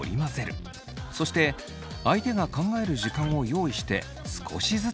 そして相手が考える時間を用意して少しずつだそう。